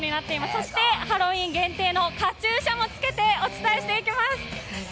そしてハロウィーン限定のカチューシャも着けてお伝えしていきます。